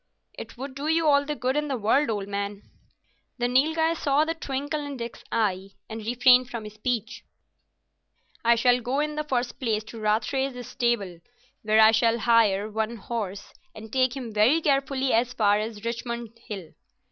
"It would do you all the good in the world, old man." The Nilghai saw the twinkle in Dick's eye, and refrained from speech. "I shall go in the first place to Rathray's stable, where I shall hire one horse, and take him very carefully as far as Richmond Hill.